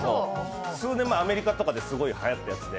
数年前、アメリカとかですごいはやったやつで。